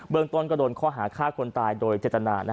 เมืองต้นก็โดนข้อหาฆ่าคนตายโดยเจตนา